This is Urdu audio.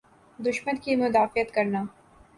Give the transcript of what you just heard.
دشمن کی مدافعت کرنا۔